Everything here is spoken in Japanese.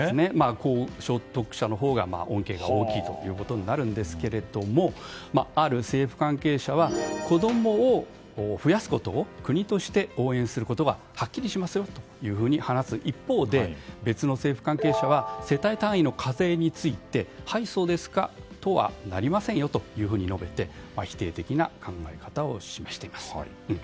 高所得者のほうが恩恵が大きいということになるんですがある政府関係者は子供を増やすことを国として応援することははっきりしますよと話す一方で別の政府関係者は世帯単位の課税についてはい、そうですかとはなりませんよと述べて否定的な考え方を示しています。